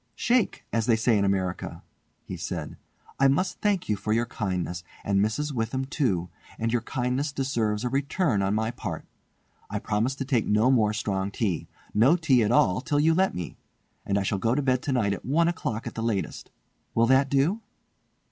"Shake! as they say in America," he said. "I must thank you for your kindness and Mrs. Witham too, and your kindness deserves a return on my part. I promise to take no more strong tea—no tea at all till you let me—and I shall go to bed tonight at one o'clock at latest. Will that do?"